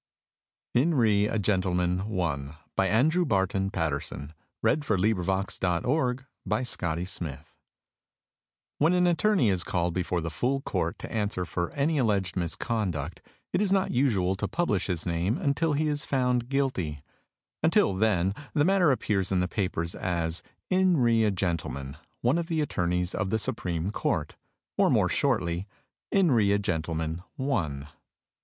e, And a packet o' nails had the twa emus; But the dour good wife got nane. "In Re a Gentleman, One" When an attorney is called before the Full Court to answer for any alleged misconduct it is not usual to publish his name until he is found guilty; until then the matter appears in the papers as "In re a Gentleman, One of the Attorneys of the Supreme Court", or, more shortly, "In re a Gentleman, One".